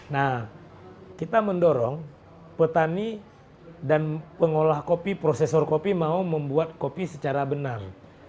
nah kita mendorong petani dan pengolah kopi prosesor kopi mau membuat kopi secara benar